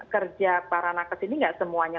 kerja para nakes ini enggak semuanya